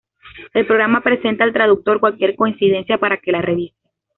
El programa presenta al traductor cualquier coincidencia para que la revise.